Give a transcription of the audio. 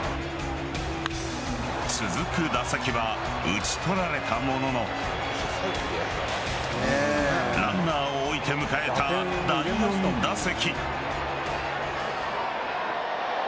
続く打席は、打ち取られたもののランナーを置いて迎えた第４打席。